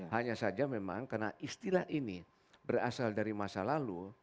hanya saja memang karena istilah ini berasal dari masa lalu